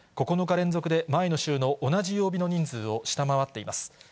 ９日連続で前の週の同じ曜日の人数を下回っています。